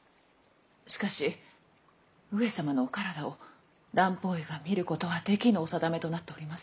しかし上様のお体を蘭方医が診ることはできぬお定めとなっておりますが。